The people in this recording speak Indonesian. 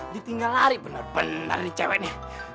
ditinggal lari benar benar lari ceweknya